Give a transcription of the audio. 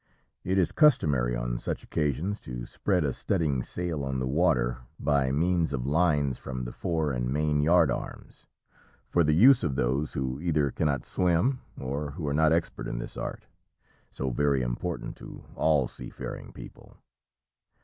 It is customary on such occasions to spread a studding sail on the water, by means of lines from the fore and main yard arms, for the use of those who either cannot swim, or who are not expert in this art, so very important to all seafaring people.